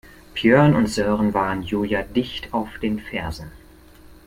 Björn und Sören waren Julia dicht auf den Fersen.